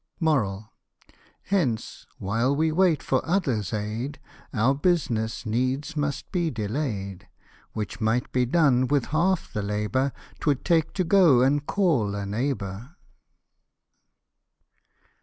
Hence, while we wait for others' aid, Our business needs must be delay'd ; Which might be done with half the labour 'T would take to go and call a neighbour.